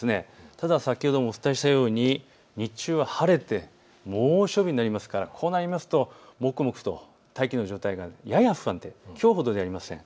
ただ先ほどもお伝えしたように日中は晴れて猛暑日になりますからこうなりますともくもくと大気の状態がやや不安定、きょうほどではありません。